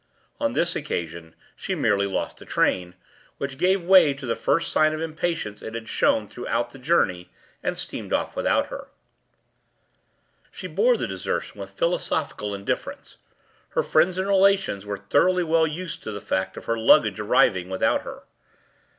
On this occasion she merely lost the train, which gave way to the first sign of impatience it had shown throughout the journey, and steamed off without her. She bore the desertion with philosophical indifference; her friends and relations were thoroughly well used to the fact of her luggage arriving without her.